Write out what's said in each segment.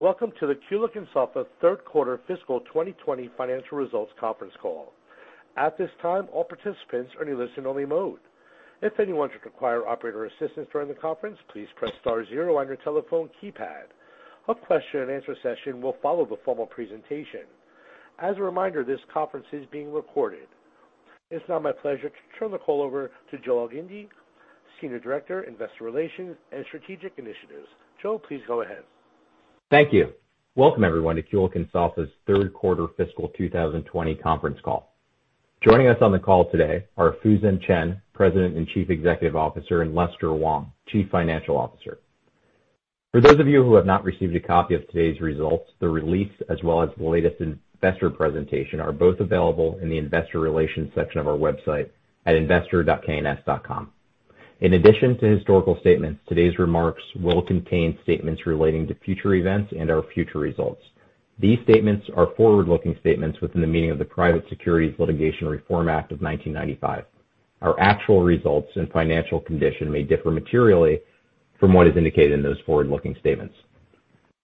Welcome to the Kulicke and Soffa third quarter fiscal 2020 financial results conference call. At this time, all participants are in listen-only mode. If anyone should require operator assistance during the conference, please press star zero on your telephone keypad. A question and answer session will follow the formal presentation. As a reminder, this conference is being recorded. It's now my pleasure to turn the call over to Joe Elgindy, Senior Director, Investor Relations and Strategic Initiatives. Joe, please go ahead. Thank you. Welcome everyone to Kulicke and Soffa's third quarter fiscal 2020 conference call. Joining us on the call today are Fusen Chen, President and Chief Executive Officer, and Lester Wong, Chief Financial Officer. For those of you who have not received a copy of today's results, the release as well as the latest investor presentation are both available in the Investor Relations section of our website at investor.kns.com. In addition to historical statements, today's remarks will contain statements relating to future events and our future results. These statements are forward-looking statements within the meaning of the Private Securities Litigation Reform Act of 1995. Our actual results and financial condition may differ materially from what is indicated in those forward-looking statements.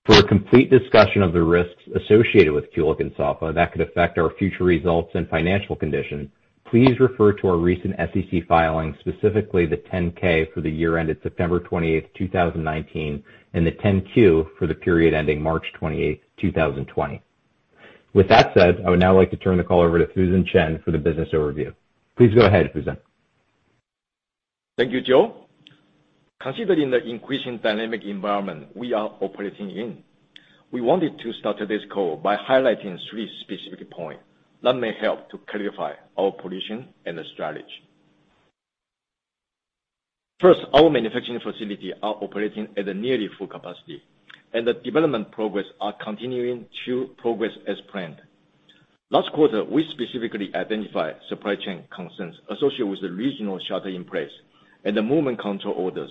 For a complete discussion of the risks associated with Kulicke and Soffa that could affect our future results and financial condition, please refer to our recent SEC filings, specifically the 10-K for the year ended September 28th, 2019, and the 10-Q for the period ending March 28th, 2020. With that said, I would now like to turn the call over to Fusen Chen for the business overview. Please go ahead, Fusen. Thank you, Joe. Considering the increasing dynamic environment we are operating in, we wanted to start today's call by highlighting three specific points that may help to clarify our position and strategy. First, our manufacturing facilities are operating at nearly full capacity, and the development progress are continuing to progress as planned. Last quarter, we specifically identified supply chain concerns associated with the regional shelter in place and the movement control orders,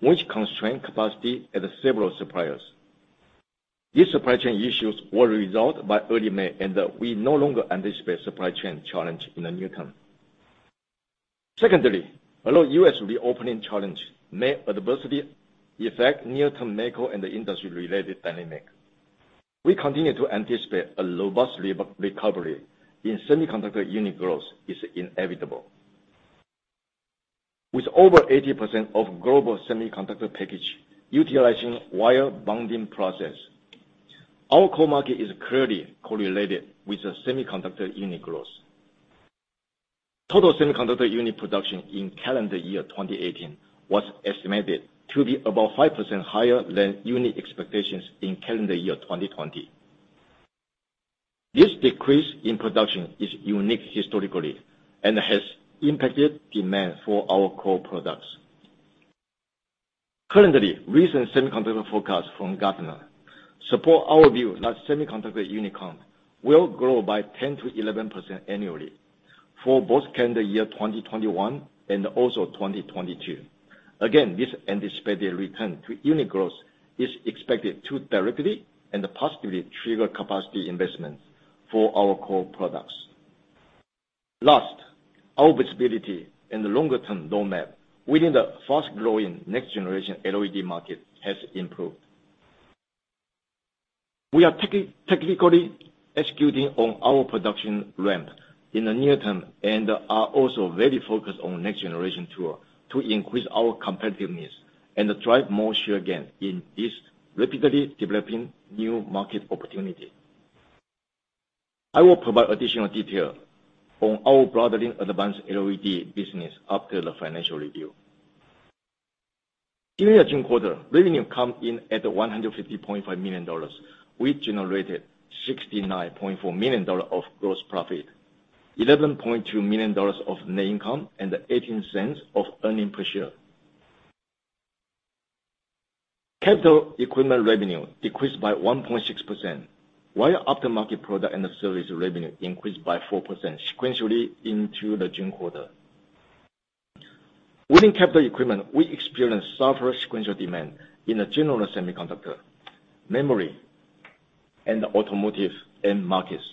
which constrained capacity at several suppliers. These supply chain issues were resolved by early May, and we no longer anticipate supply chain challenge in the near-term. Secondly, although U.S. reopening challenges may adversely affect near-term macro and industry-related dynamic, we continue to anticipate a robust recovery in semiconductor unit growth is inevitable. With over 80% of global semiconductor packaging utilizing wire bonding process, our core market is clearly correlated with the Semiconductor Unit Growth. Total semiconductor unit production in calendar year 2018 was estimated to be about 5% higher than unit expectations in calendar year 2020. This decrease in production is unique historically and has impacted demand for our core products. Currently, recent Semiconductor forecasts from Gartner support our view that Semiconductor unit count will grow by 10%-11% annually for both calendar year 2021 and also 2022. Again, this anticipated return to unit growth is expected to directly and positively trigger capacity investments for our core products. Last, our visibility in the longer-term roadmap within the fast-growing next-generation LED market has improved. We are technically executing on our production ramp in the near-Term and are also very focused on next-generation tools to increase our competitiveness and drive more share gain in this rapidly developing new market opportunity. I will provide additional detail on our broadening Advanced LED business after the financial review. In the June quarter, revenue came in at $150.5 million. We generated $69.4 million of gross profit, $11.2 million of net income, and $0.18 of earnings per share. Capital equipment revenue decreased by 1.6%, while Aftermarket Products and Services Revenue increased by 4% sequentially into the June quarter. Within capital equipment, we experienced softer sequential demand in the general Semiconductor, Memory, and Automotive end markets.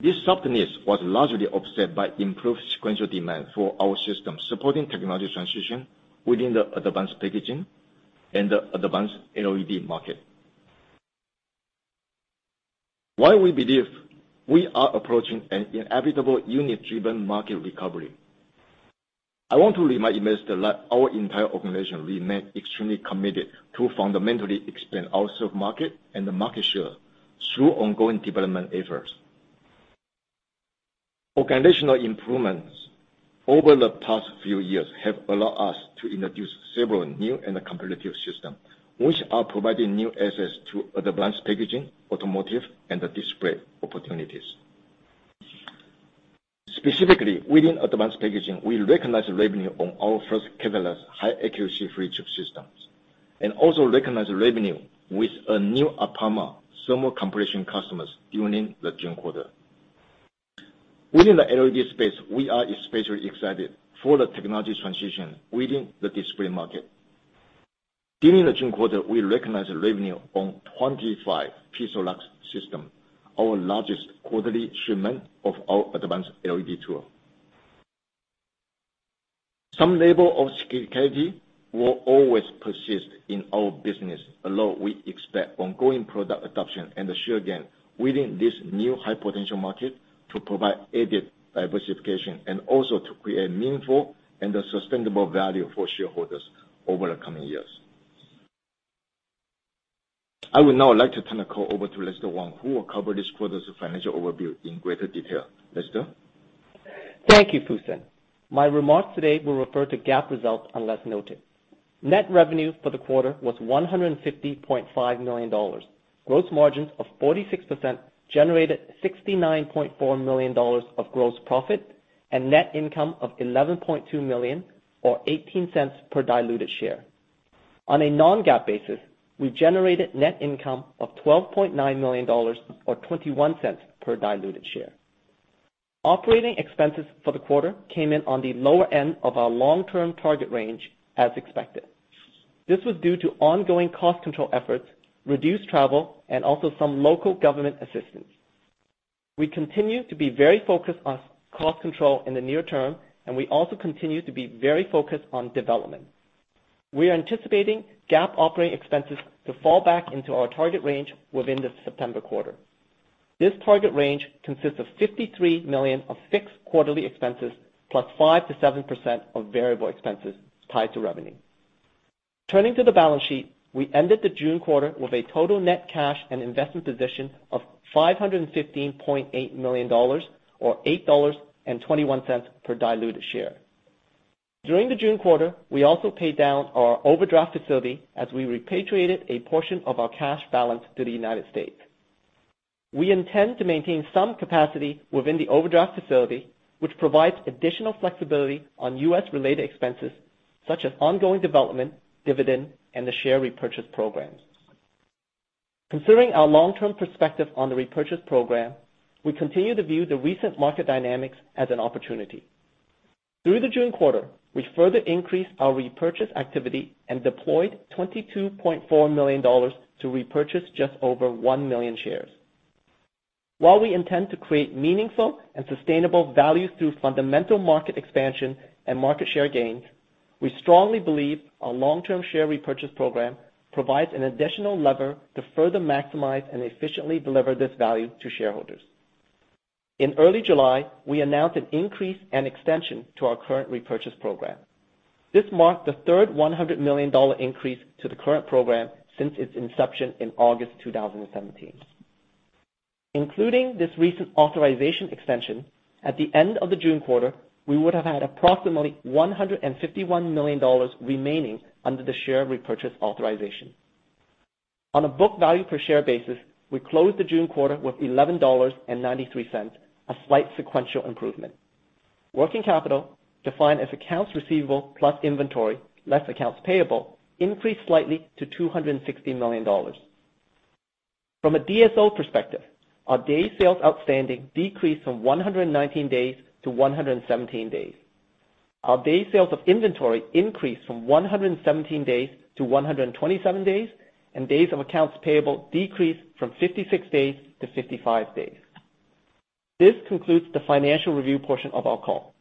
This softness was largely offset by improved sequential demand for our systems supporting technology transition within the Advanced Packaging and the Advanced LED market. While we believe we are approaching an inevitable unit-driven market recovery, I want to remind investors that our entire organization remains extremely committed to fundamentally expand our served market and market share through ongoing development efforts. Organizational improvements over the past few years have allowed us to introduce several new and competitive systems, which are providing new access to Advanced Packaging, Automotive, and Display opportunities. Specifically, within Advanced Packaging, we recognized revenue on our first Katalyst high-accuracy flip chip systems, and also recognized revenue with a new APAMA thermal compression customer during the June quarter. Within the LED space, we are especially excited for the technology transition within the Display market. During the June quarter, we recognized revenue on 25 PIXALUX systems, our largest quarterly shipment of our Advanced LED tool. Some level of cyclicality will always persist in our business. Although we expect ongoing product adoption and the share gain within this new high potential market to provide added diversification, and also to create meaningful and sustainable value for shareholders over the coming years. I would now like to turn the call over to Lester Wong, who will cover this quarter's financial overview in greater detail. Lester? Thank you, Fusen. My remarks today will refer to GAAP results unless noted. Net revenue for the quarter was $150.5 million. Gross margins of 46% generated $69.4 million of gross profit and net income of $11.2 million or $0.18 per diluted share. On a non-GAAP basis, we generated net income of $12.9 million or $0.21 per diluted share. Operating expenses for the quarter came in on the lower end of our long-term target range as expected. This was due to ongoing cost control efforts, reduced travel, and also some local government assistance. We continue to be very focused on cost control in the near term, and we also continue to be very focused on development. We are anticipating GAAP operating expenses to fall back into our target range within the September quarter. This target range consists of $53 million of fixed quarterly expenses +5%-7% of variable expenses tied to revenue. Turning to the balance sheet, we ended the June quarter with a total net cash and investment position of $515.8 million or $8.21 per diluted share. During the June quarter, we also paid down our overdraft facility as we repatriated a portion of our cash balance to the United States. We intend to maintain some capacity within the overdraft facility, which provides additional flexibility on U.S. related expenses such as ongoing development, dividend, and the share repurchase program. Concerning our long-term perspective on the repurchase program, we continue to view the recent market dynamics as an opportunity. Through the June quarter, we further increased our repurchase activity and deployed $22.4 million to repurchase just over 1 million shares. While we intend to create meaningful and sustainable value through fundamental market expansion and market share gains, we strongly believe our long-term share repurchase program provides an additional lever to further maximize and efficiently deliver this value to shareholders. In early July, we announced an increase and extension to our current repurchase program. This marked the third $100 million increase to the current program since its inception in August 2017. Including this recent authorization extension, at the end of the June quarter, we would have had approximately $151 million remaining under the share repurchase authorization. On a book value per share basis, we closed the June quarter with $11.93, a slight sequential improvement. Working capital, defined as accounts receivable plus inventory, less accounts payable, increased slightly to $260 million. From a DSO perspective, our day sales outstanding decreased from 119 days to 117 days. Our day sales of inventory increased from 117 days to 127 days. Days of accounts payable decreased from 56 days to 55 days. This concludes the financial review portion of our call.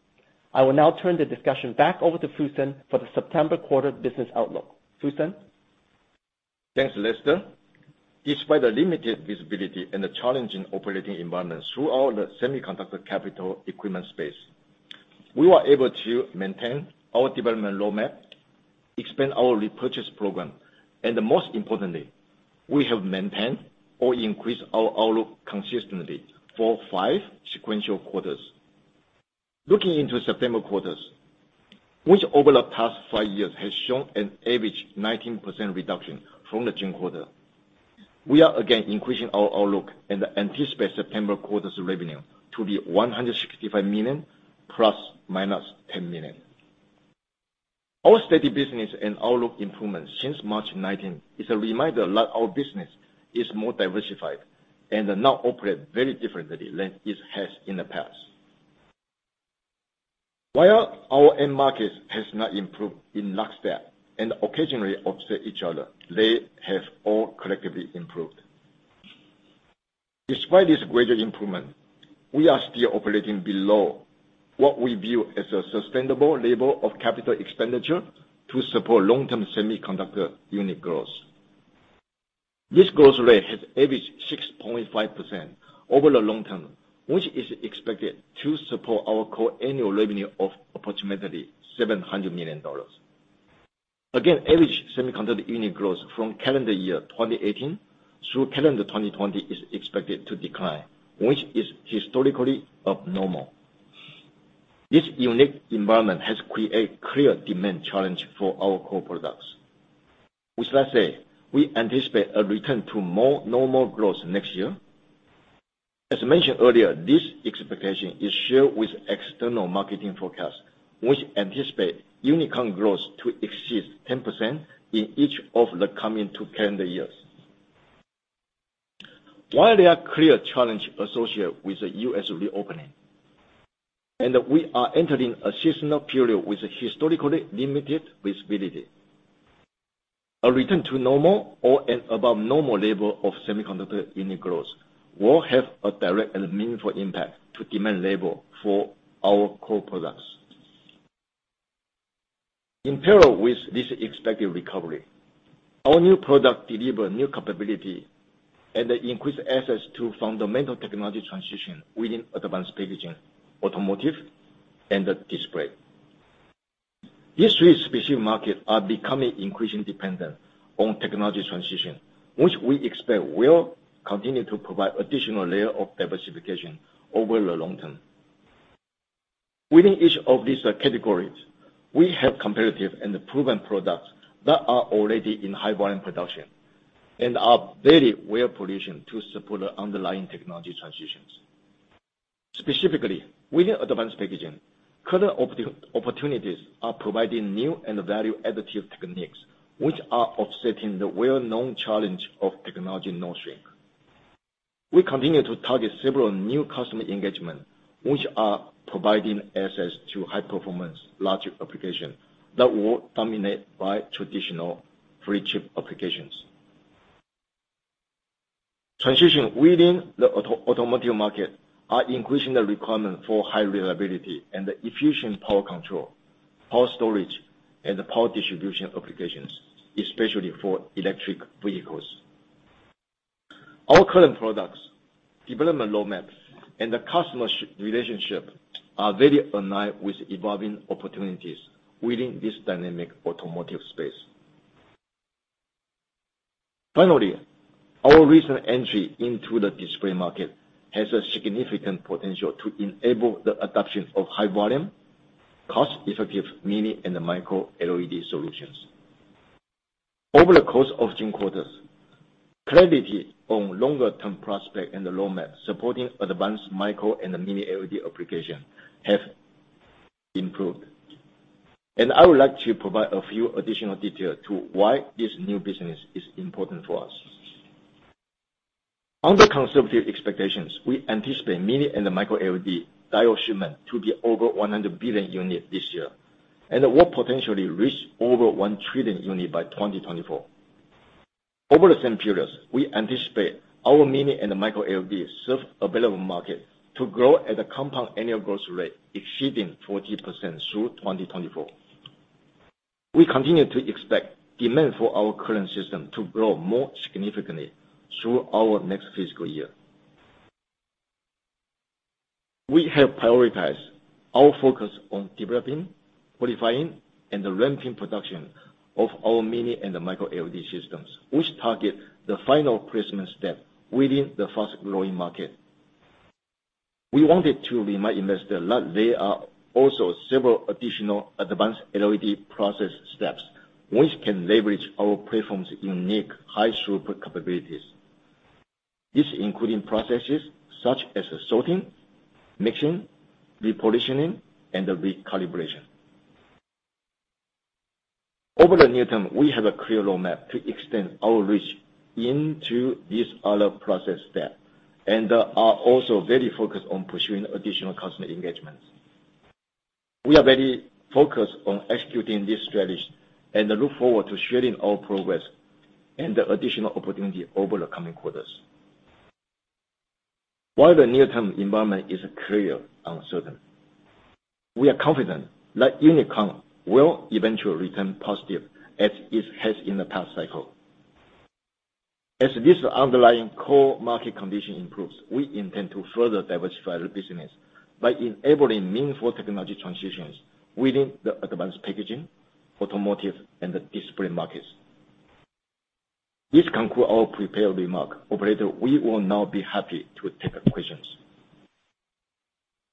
I will now turn the discussion back over to Fusen for the September quarter business outlook. Fusen? Thanks, Lester. Despite the limited visibility and the challenging operating environment throughout the Semiconductor capital equipment space, we were able to maintain our development roadmap, expand our repurchase program, and most importantly, we have maintained or increased our outlook consistently for five sequential quarters. Looking into September quarter, which over the past five years has shown an average 19% reduction from the June quarter. We are again increasing our outlook and anticipate September quarter's revenue to be $165 million ±$10 million. Our steady business and outlook improvements since COVID-19 is a reminder that our business is more diversified and now operates very differently than it has in the past. While our end markets have not improved in lockstep and occasionally offset each other, they have all collectively improved. Despite this great improvement, we are still operating below what we view as a sustainable level of capital expenditure to support long-term Semiconductor Unit Growth. This growth rate has averaged 6.5% over the long-term, which is expected to support our core annual revenue of approximately $700 million. Again, average Semiconductor Unit Growth from calendar year 2018 through calendar 2020 is expected to decline, which is historically abnormal. This unique environment has created clear demand challenge for our core products, which let's say, we anticipate a return to more normal growth next year. As mentioned earlier, this expectation is shared with external marketing forecasts, which anticipate unit count growth to exceed 10% in each of the coming two calendar years. While there are clear challenges associated with the U.S. reopening, and we are entering a seasonal period with historically limited visibility. A return to normal or an above normal level of Semiconductor Unit Growth will have a direct and meaningful impact to demand level for our core products. In parallel with this expected recovery, our new product deliver new capability and increase access to fundamental technology transition within Advanced Packaging, Automotive, and the Display. These three specific markets are becoming increasingly dependent on technology transition, which we expect will continue to provide additional layer of diversification over the long-term. Within each of these categories, we have competitive and proven products that are already in high volume production and are very well-positioned to support the underlying technology transitions. Specifically, within Advanced Packaging, current opportunities are providing new and value additive techniques, which are offsetting the well-known challenge of technology node shrink. We continue to target several new customer engagement, which are providing access to high performance logic application that will dominate by traditional flip chip applications. Transition within the Automotive market are increasing the requirement for high reliability and efficient power control, power storage, and power distribution applications, especially for electric vehicles. Our current products, development roadmaps, and the customer relationship are very aligned with evolving opportunities within this dynamic Automotive space. Finally, our recent entry into the Display market has a significant potential to enable the adoption of high volume, cost effective Mini-LED and Micro-LED solutions. Over the course of 10 quarters, clarity on longer-term prospect and the roadmap supporting Advanced Micro-LED and Mini-LED application have improved. I would like to provide a few additional detail to why this new business is important for us. Under conservative expectations, we anticipate Mini-LED and Micro-LED diode shipments to be over 100 billion units this year, and will potentially reach over 1 trillion units by 2024. Over the same periods, we anticipate our Mini-LED and Micro-LED served available market to grow at a compound annual growth rate exceeding 40% through 2024. We continue to expect demand for our current system to grow more significantly through our next fiscal year. We have prioritized our focus on developing, qualifying, and ramping production of our Mini-LED and Micro-LED systems, which target the final placement step within the fast-growing market. We wanted to remind investors that there are also several additional advanced LED process steps, which can leverage our platform's unique high throughput capabilities. This includes processes such as sorting, mixing, repositioning, and recalibration. Over the near-term, we have a clear roadmap to extend our reach into this other process step and are also very focused on pursuing additional customer engagements. We are very focused on executing this strategy and look forward to sharing our progress and additional opportunity over the coming quarters. While the near-term environment is clearly uncertain, we are confident that unit count will eventually return positive as it has in the past cycle. As this underlying core market condition improves, we intend to further diversify the business by enabling meaningful technology transitions within the Advanced Packaging, Automotive, and the Display markets. This concludes our prepared remarks. Operator, we will now be happy to take questions.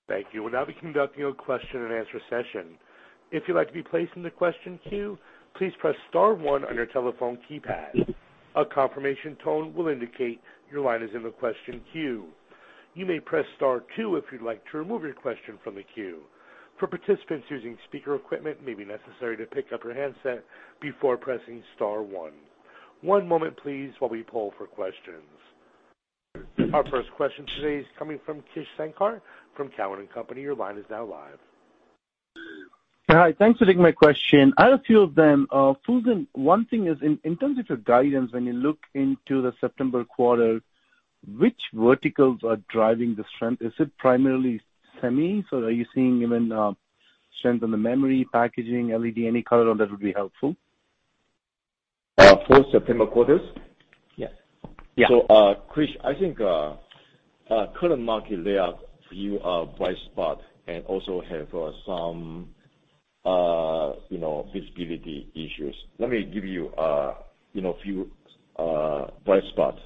Thank you. We'll now be conducting a question and answer session. If you'd like to be placed in the question queue, please press star one on your telephone keypad. A confirmation tone will indicate your line is in the question queue. You may press star two if you'd like to remove your question from the queue. For participants using speaker equipment, it may be necessary to pick up your handset before pressing star one. One moment please, while we poll for questions. Our first question today is coming from Krish Sankar from Cowen and Company. Your line is now live. Hi. Thanks for taking my question. I have a few of them. Fusen, one thing is, in terms of your guidance, when you look into the September quarter, which verticals are driving the strength? Is it primarily semis, or are you seeing even strength on the memory packaging, LED? Any color on that would be helpful. For September quarters? Yes. Krish, I think current market layout few bright spot and also have some visibility issues. Let me give you few bright spots.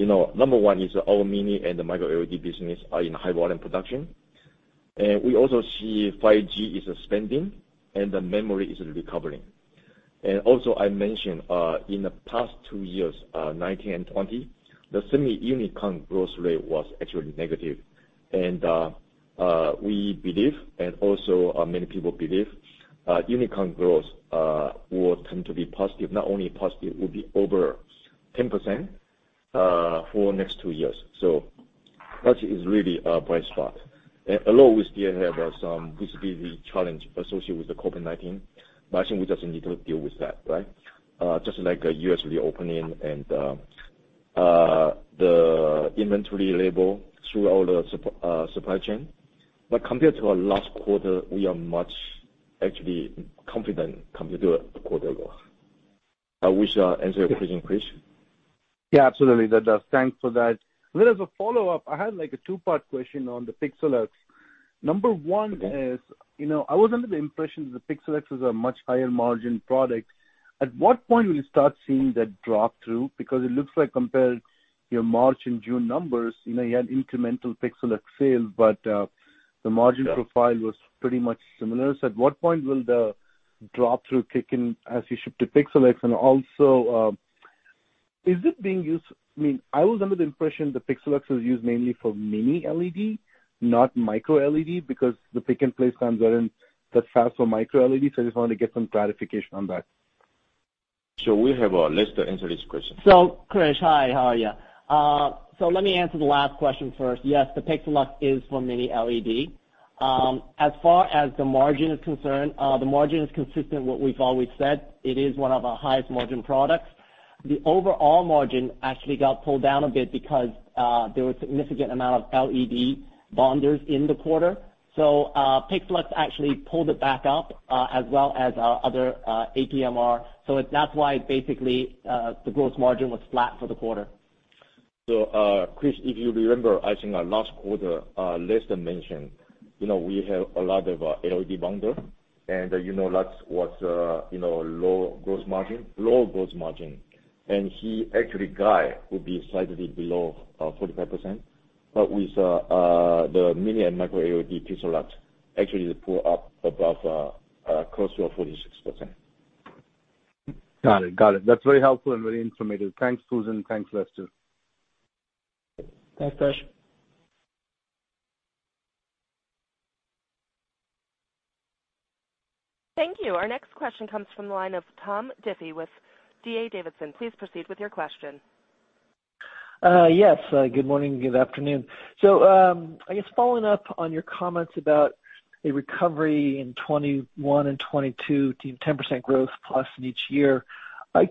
Number one is our Mini-LED and Micro-LED business are in high volume production. We also see 5G is expanding and the memory is recovering. Also, I mentioned, in the past two years, 2019 and 2020, the semi-unit count growth rate was actually negative. We believe, and also many people believe, unit count growth will tend to be positive. Not only positive, will be over 10% for next two years. That is really a bright spot. Although we still have some visibility challenge associated with the COVID-19, but I think we just need to deal with that. Just like U.S. reopening and the inventory level through all the supply chain. Compared to our last quarter, we are much confident compared to a quarter ago. I wish answer your question, Krish? Yeah, absolutely. That does. Thanks for that. As a follow-up, I had a two-part question on the PIXALUX. Number 1 is, I was under the impression that the PIXALUX was a much higher margin product. At what point will you start seeing that drop through? It looks like compared your March and June numbers, you had incremental PIXALUX sales, but the margin profile was pretty much similar. At what point will the drop-through kick in as you ship to PIXALUX? Also, I was under the impression the PIXALUX was used mainly for Mini-LED, not Micro-LED, because the pick-and-place times aren't that fast for Micro-LED, I just wanted to get some clarification on that. We have Lester answer this question. Krish, hi, how are you? Let me answer the last question first. Yes, the PIXALUX is for Mini-LED. As far as the margin is concerned, the margin is consistent what we've always said. It is one of our highest margin products. The overall margin actually got pulled down a bit because there was significant amount of LED bonders in the quarter. PIXALUX actually pulled it back up, as well as our other APMR. That's why basically, the gross margin was flat for the quarter. Krish, if you remember, I think last quarter, Lester mentioned, we have a lot of LED bonder, and that was low gross margin, and he actually guide will be slightly below 45%. With the Mini-LED and Micro-LED PIXALUX, actually they pull up above close to a 46%. Got it. That's very helpful and very informative. Thanks, Fusen. Thanks, Lester. Thanks, Krish. Thank you. Our next question comes from the line of Tom Diffely with D.A. Davidson. Please proceed with your question. Yes. Good morning, good afternoon. I guess following up on your comments about a recovery in 2021 and 2022, 10% growth plus in each year.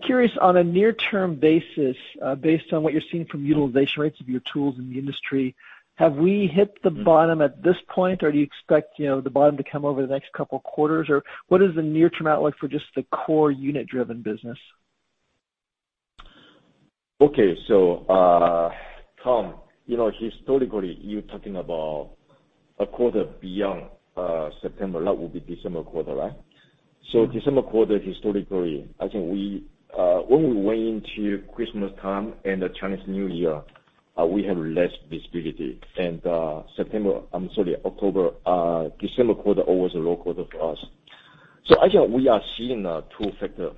Curious on a near-term basis, based on what you're seeing from utilization rates of your tools in the industry, have we hit the bottom at this point, or do you expect the bottom to come over the next couple of quarters? What is the near-term outlook for just the core unit-driven business? Okay. Tom, historically, you're talking about a quarter beyond September. That would be December quarter, right? December quarter, historically, I think when we went into Christmas time and the Chinese New Year, we have less visibility. December quarter, always a low quarter for us. I think we are seeing two factors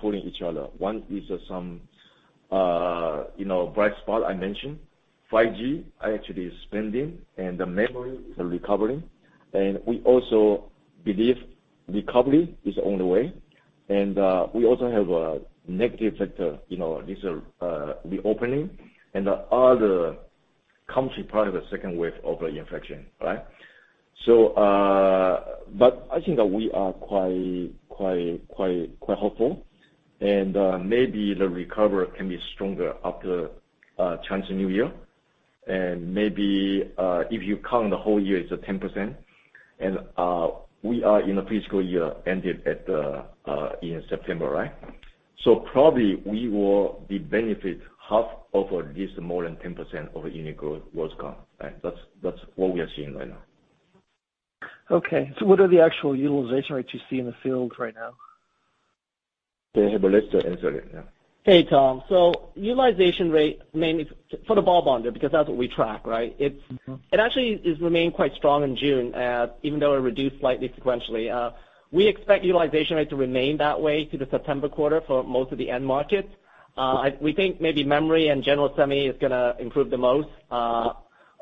pulling each other. One is some bright spot I mentioned. 5G actually is spending, and the memory is recovering. We also believe recovery is on the way. We also have a negative factor. These are reopening, and the other country part of the second wave of the infection. I think that we are quite hopeful. Maybe the recovery can be stronger after Chinese New Year. Maybe, if you count the whole year, it's a 10%. We are in a fiscal year ended in September. Probably we will be benefit 1/2 of at least more than 10% of unit growth was gone. That's what we are seeing right now. Okay. What are the actual utilization rates you see in the field right now? We have Lester answer it now. Hey, Tom. Utilization rate mainly for the ball bonder, because that's what we track, right? It actually has remained quite strong in June, even though it reduced slightly sequentially. We expect utilization rate to remain that way through the September quarter for most of the end markets. We think maybe Memory and general semi is going to improve the most.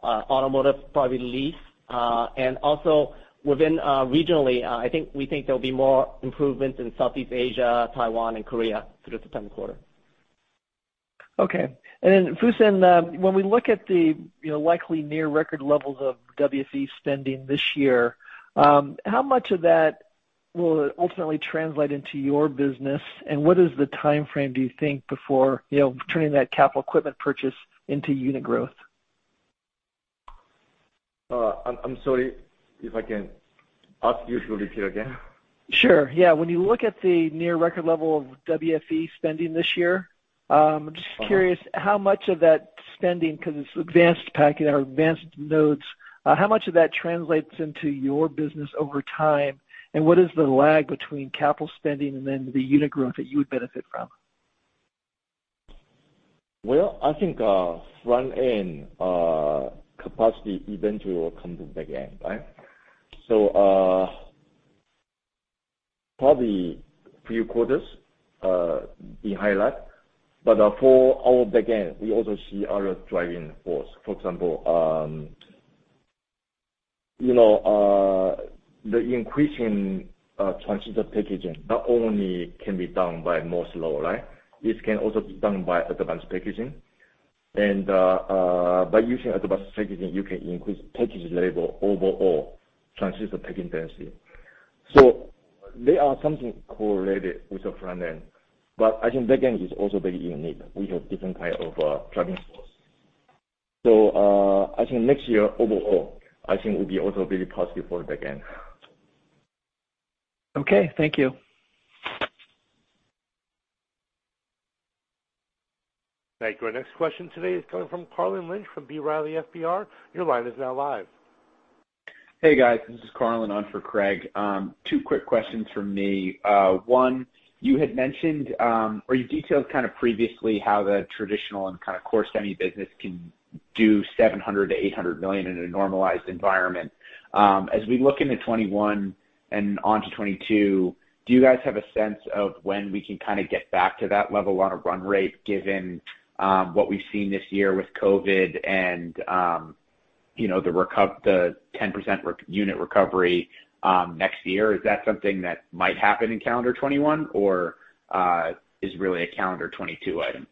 Automotive probably least. Also within regionally, we think there'll be more improvements in Southeast Asia, Taiwan, and Korea through the September quarter. Okay. Fusen, when we look at the likely near record levels of WFE spending this year, how much of that will ultimately translate into your business, and what is the timeframe, do you think, before turning that capital equipment purchase into unit growth? I'm sorry, if I can ask you to repeat again? Sure. Yeah. When you look at the near record level of WFE spending this year, I'm just curious how much of that spending, because it's Advanced Packaging or advanced nodes, how much of that translates into your business over time, and what is the lag between capital spending and then the unit growth that you would benefit from? I think front-end capacity eventually will come to back end. Probably few quarters in highlight. For our back end, we also see other driving force. For example, the increase in transistor packaging not only can be done by Moore's Law, right? This can also be done by Advanced Packaging. By using Advanced Packaging, you can increase package level overall transistor packing density. They are something correlated with the front end, but I think back end is also very unique. We have different type of driving force. I think next year overall, I think will be also very positive for the back end. Okay. Thank you. Thank you. Our next question today is coming from Carlin Lynch from B. Riley FBR. Your line is now live. Hey, guys, this is Carlin, on for Craig. Two quick questions from me. One, you had mentioned, or you detailed previously how the traditional and core semi business can do $700 million-$800 million in a normalized environment. We look into 2021 and onto 2022, do you guys have a sense of when we can get back to that level on a run rate, given what we've seen this year with COVID and the 10% unit recovery next year? Is that something that might happen in calendar 2021, or is really a calendar 2022 item?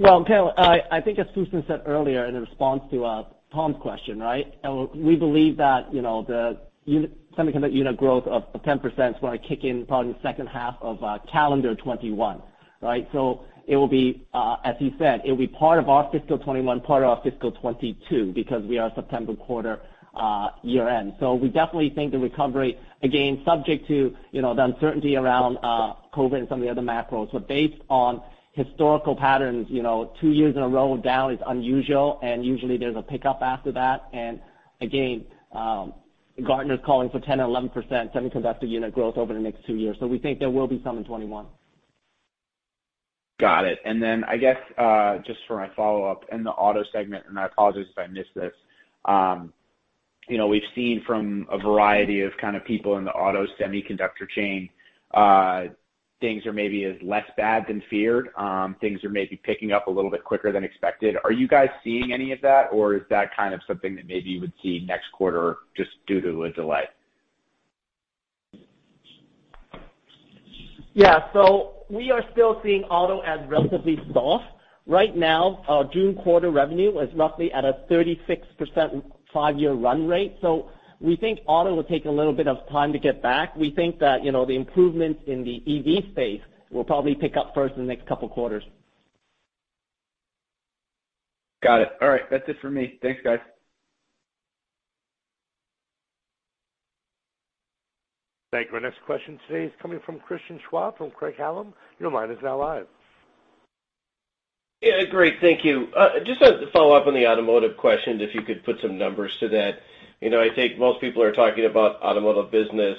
Carlin, I think as Fusen said earlier in response to Tom's question, right? We believe that the semiconductor unit growth of 10% is going to kick in probably in the second half of calendar 2021, right? It will be, as he said, it will be part of our fiscal 2021, part of our fiscal 2022, because we are September quarter year-end. We definitely think the recovery, again, subject to the uncertainty around COVID-19 and some of the other macros. Based on historical patterns, two years in a row of down is unusual, and usually there's a pickup after that. Again, Gartner's calling for 10% or 11% semiconductor unit growth over the next two years. We think there will be some in 2021. Got it. I guess, just for my follow-up, in the auto segment, I apologize if I missed this. We've seen from a variety of people in the auto semiconductor chain, things are maybe less bad than feared. Things are maybe picking up a little bit quicker than expected. Are you guys seeing any of that, or is that something that maybe you would see next quarter just due to a delay? We are still seeing auto as relatively soft. Right now, our June quarter revenue is roughly at a 36% five-year run rate. We think auto will take a little bit of time to get back. We think that the improvements in the EV space will probably pick up first in the next couple of quarters. Got it. All right. That's it for me. Thanks, guys. Thank you. Our next question today is coming from Christian Schwab from Craig-Hallum. Your line is now live. Yeah, great. Thank you. Just as a follow-up on the automotive question, if you could put some numbers to that. I think most people are talking about Automotive business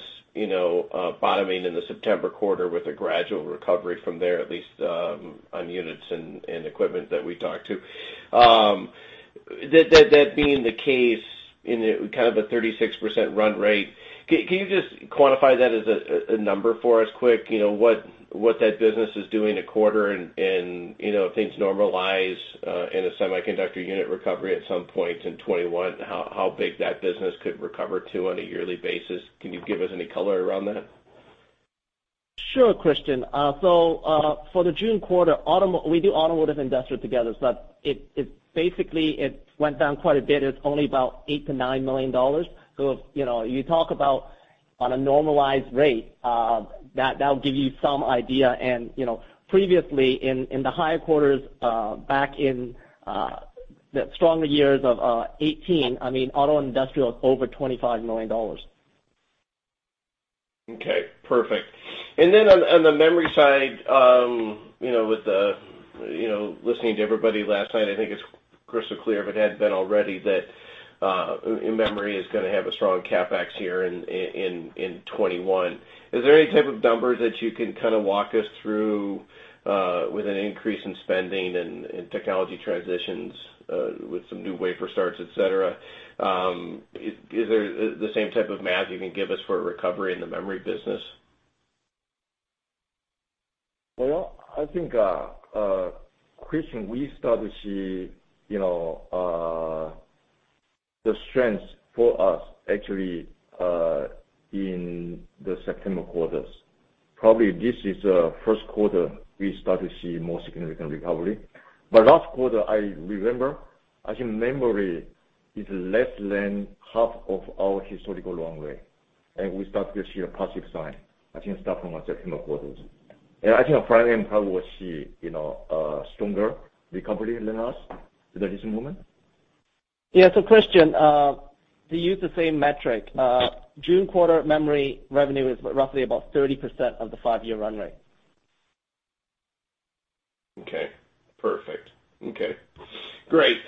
bottoming in the September quarter with a gradual recovery from there, at least on units and equipment that we talk to. That being the case, in a 36% run rate, can you just quantify that as a number for us quick? What that business is doing a quarter and if things normalize in a Semiconductor unit recovery at some point in 2021, how big that business could recover to on a yearly basis. Can you give us any color around that? Sure, Christian. For the June quarter, we do automotive and industrial together, it went down quite a bit. It's only about $8 million-$9 million. You talk about on a normalized rate, that'll give you some idea. Previously, in the higher quarters, back in the stronger years of 2018, auto industrial is over $25 million. Okay, perfect. On the memory side, listening to everybody last night, I think it's crystal clear, if it hadn't been already, that Memory is going to have a strong CapEx year in 2021. Is there any type of numbers that you can walk us through with an increase in spending and technology transitions with some new wafer starts, et cetera? Is there the same type of math you can give us for a recovery in the Memory business? Well, I think, Christian, we start to see the strength for us actually in the September quarters. Probably this is the first quarter we start to see more significant recovery. Last quarter, I remember, I think memory is less than 1/2 of our historical runway, and we start to see a positive sign, I think start from September quarters. I think our front end probably will see a stronger recovery than us in the recent moment. Yeah. Christian, to use the same metric, June quarter memory revenue is roughly about 30% of the five-year run rate. Okay, perfect. Okay, great.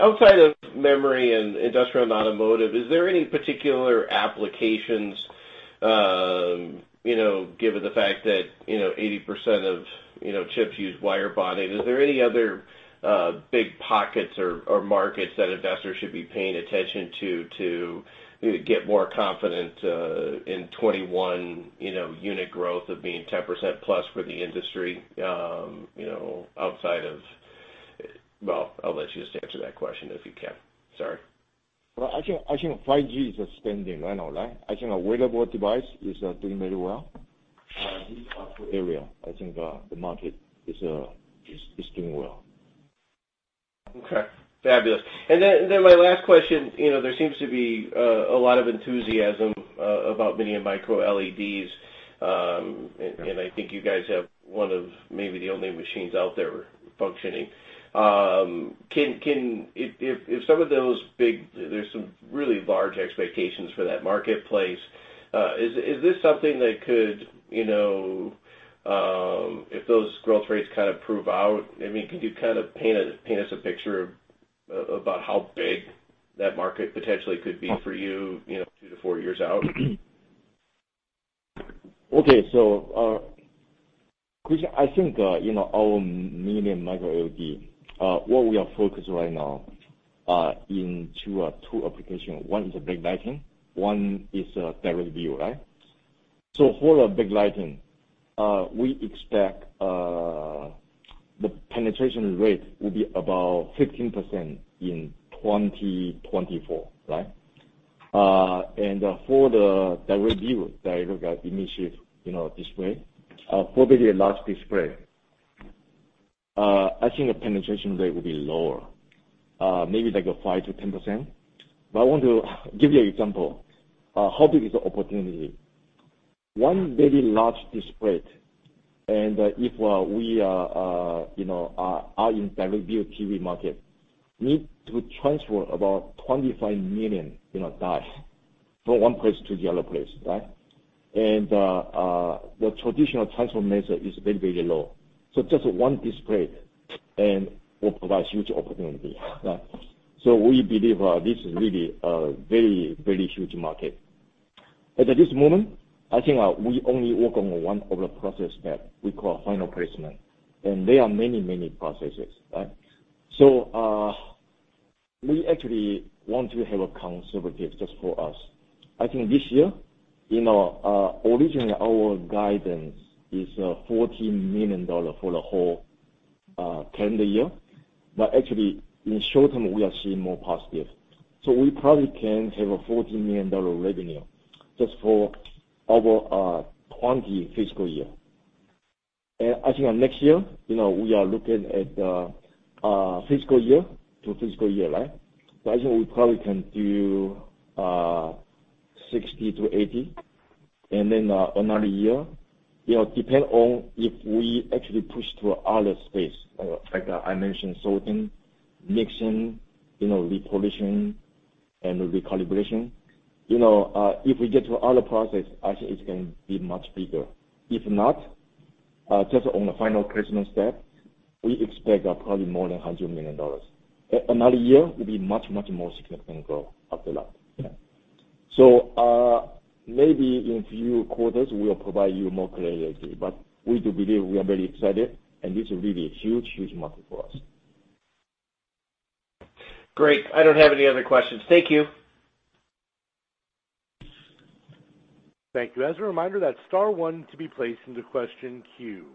Outside of Memory and Industrial and Automotive, is there any particular applications, given the fact that 80% of chips use wire bonding, is there any other big pockets or markets that investors should be paying attention to get more confident in 2021 unit growth of being 10%+ for the industry outside of. I'll let you just answer that question if you can. Sorry. Well, I think 5G is expanding right now. I think wearable device is doing very well. These are two areas I think the market is doing well. Okay, fabulous. My last question, there seems to be a lot of enthusiasm about Mini-LED and Micro-LEDs, and I think you guys have one of maybe the only machines out there functioning. There's some really large expectations for that marketplace. Is this something that could, if those growth rates kind of prove out, can you paint us a picture about how big that market potentially could be for you, two to four years out? Christian, I think our Mini-LED and Micro-LED, what we are focused right now into two application. One is a backlighting, one is a direct view. For backlighting, we expect the penetration rate will be about 15% in 2024. For the direct view, direct image display, for very large display, I think the penetration rate will be lower, maybe like 5%-10%. I want to give you example how big is the opportunity. One very large display, and if we are in direct view TV market, need to transfer about 25 million dies from one place to the other place. The traditional transfer method is very, very low. Just one display and will provide huge opportunity. We believe this is really a very, very huge market. At this moment, I think we only work on one of the process step we call final placement, and there are many, many processes. We actually want to have a conservative just for us. I think this year, originally our guidance is $14 million for the whole calendar year. Actually, in short-term, we are seeing more positive. We probably can have a $14 million revenue just for our whole 20 fiscal year. I think next year, we are looking at fiscal year to fiscal year. I think we probably can do 60 to 80, then another year, depend on if we actually push to other space, like I mentioned, sorting, mixing, reprovisioning, and recalibration. If we get to other process, I think it can be much bigger. If not, just on the final placement step, we expect probably more than $100 million. Another year will be much, much more significant growth after that. Maybe in few quarters, we'll provide you more clarity, but we do believe we are very excited, and this is really a huge, huge market for us. Great. I don't have any other questions. Thank you. Thank you. As a reminder, that's star one to be placed into question queue.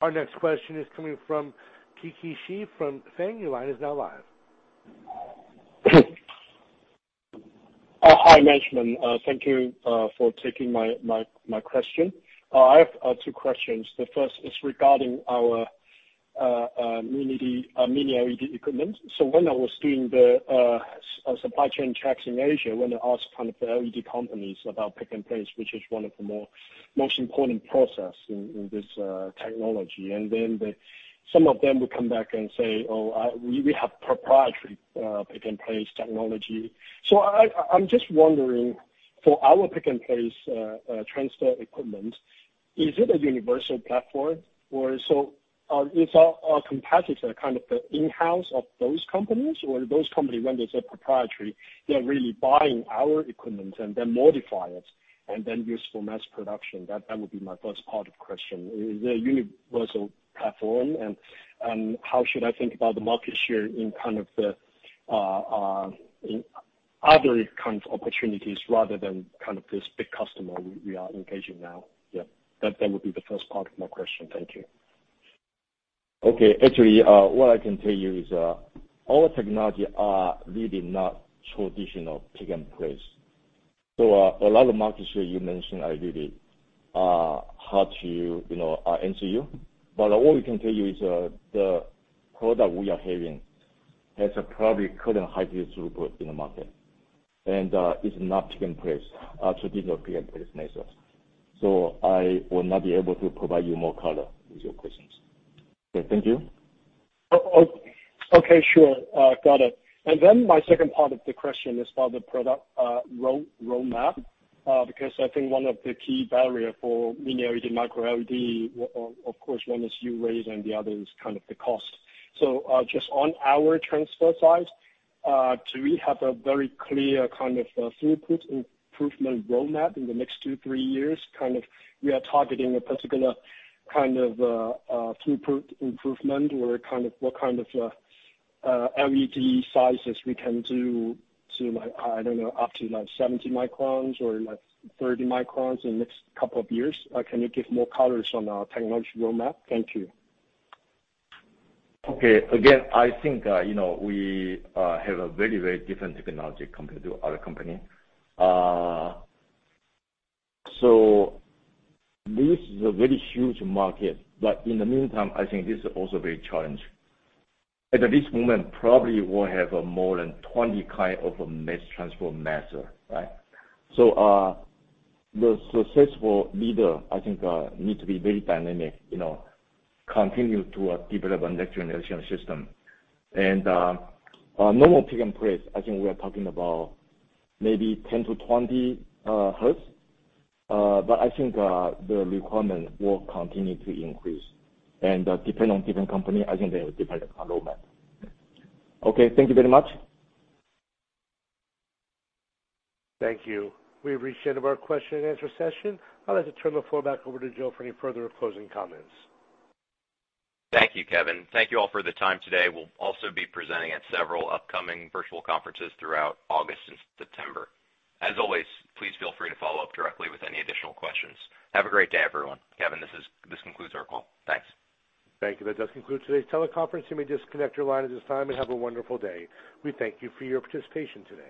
Our next question is coming from Qiqi Shi from Fenghe. Your line is now live Hi, Management. Thank you for taking my question. I have two questions. The first is regarding our Mini-LED equipment. When I was doing the supply chain checks in Asia, when I asked kind of the LED companies about pick and place, which is one of the most important process in this technology. Some of them would come back and say, "Oh, we have proprietary pick and place technology." I'm just wondering, for our pick and place transfer equipment, is it a universal platform? Or is our capacities are kind of the in-house of those companies, or those company, when they say proprietary, they're really buying our equipment and then modify it and then use for mass production? That would be my first part of question. Is there a universal platform? How should I think about the market share in other kind of opportunities rather than this big customer we are engaging now? Yeah. That would be the first part of my question. Thank you. Okay. Actually, what I can tell you is our technology are really not traditional pick and place. A lot of market share you mentioned are really hard to answer you. What we can tell you is the product we are having has a probably current highest throughput in the market, and it's not pick and place, traditional pick and place methods. I will not be able to provide you more color with your questions. Okay. Thank you. Okay, sure. Got it. My second part of the question is about the product roadmap. I think one of the key barrier for Mini-LED and Micro-LED, of course, one is throughways and the other is kind of the cost. Just on our transfer side, do we have a very clear kind of throughput improvement roadmap in the next two, three years? We are targeting a particular kind of throughput improvement or what kind of LED sizes we can do to, I don't know, up to like 70 microns or 30 microns in the next couple of years? Can you give more colors on technology roadmap? Thank you. Okay. Again, I think we have a very, very different technology compared to other company. This is a very huge market, but in the meantime, I think this is also very challenging. At this moment, probably we'll have more than 20 kind of mass transfer method. The successful leader, I think, need to be very dynamic, continue to develop an electronic system. Normal pick and place, I think we are talking about maybe 10 Hz to 20 hZ, but I think the requirement will continue to increase. Depending on different company, I think they will depend on roadmap. Okay, thank you very much Thank you. We've reached the end of our question and answer session. I'd like to turn the floor back over to Joe for any further closing comments. Thank you, Kevin. Thank you all for the time today. We'll also be presenting at several upcoming virtual conferences throughout August and September. As always, please feel free to follow up directly with any additional questions. Have a great day, everyone. Kevin, this concludes our call. Thanks. Thank you. That does conclude today's teleconference. You may disconnect your line at this time and have a wonderful day. We thank you for your participation today.